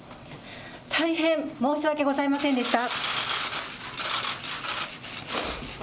大変申し訳ございませんでした。